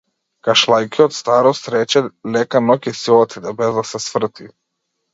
Кашлајќи од старост, рече лека ноќ и си отиде, без да се сврти.